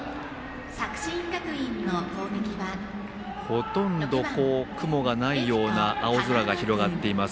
ほとんど雲がないような青空が広がっています